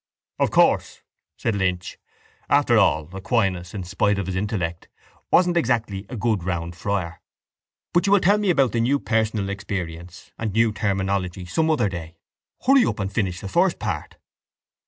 —Of course, said Lynch. After all Aquinas, in spite of his intellect, was exactly a good round friar. But you will tell me about the new personal experience and new terminology some other day. Hurry up and finish the first part.